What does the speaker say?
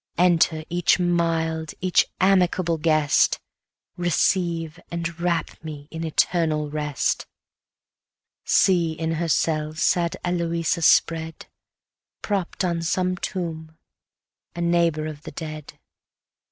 Enter, each mild, each amicable guest; Receive, and wrap me in eternal rest! See in her cell sad Eloisa spread, Propp'd on some tomb, a neighbour of the dead.